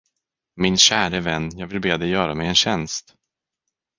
Min käre vän, jag vill be dig göra mig en tjänst.